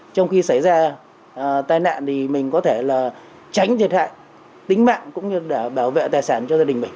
trong khi xảy ra tai nạn thì mình có thể là tránh thiệt hại tính mạng cũng như để bảo vệ tài sản cho gia đình mình